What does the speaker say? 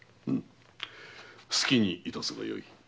好きにいたすがよい。